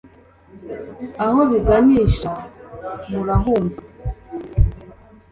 aho biganisha murahumva